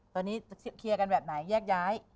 ตอนนี้เคลียร์กันแบบไหนแยกย้าย